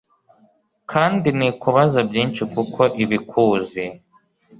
kandi ntikubaza byinshi kuko iba ikuzi